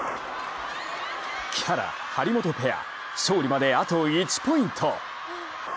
木原・張本ペア、勝利まであと１ポイント。